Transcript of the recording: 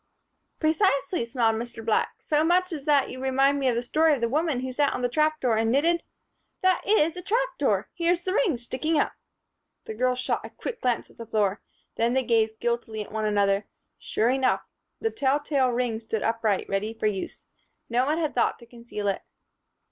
"Precisely," smiled Mr. Black. "So much so that you remind me of the story of the woman who sat on the trap door and knitted By Jove! That is a trap door! Here's the ring sticking up." The girls shot a quick glance at the floor. Then they gazed guiltily at one another. Sure enough! The tell tale ring stood upright, ready for use. No one had thought to conceal it.